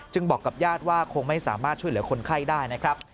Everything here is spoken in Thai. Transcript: บอกกับญาติว่าคงไม่สามารถช่วยเหลือคนไข้ได้นะครับ